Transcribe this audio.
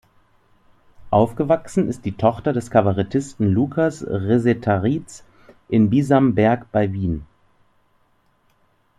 Aufgewachsen ist die Tochter des Kabarettisten Lukas Resetarits in Bisamberg bei Wien.